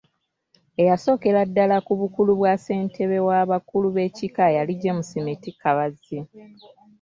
Eyasookera ddala ku bukulu bwa Ssentebe w’abakulu b’ebkika yali James Miti Kabazzi.